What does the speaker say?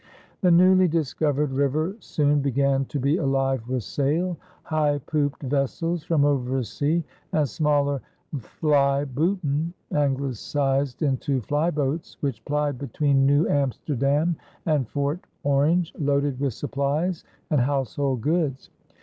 The newly discovered river soon began to be alive with sail, high pooped vessels from over sea, and smaller vlie booten (Anglicized into "flyboats"), which plied between New Amsterdam and Fort Orange, loaded with supplies and household goods.